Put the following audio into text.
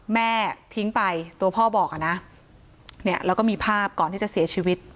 แม่ทิ้งไปตัวพ่อบอกอ่ะนะเนี่ยแล้วก็มีภาพก่อนที่จะเสียชีวิต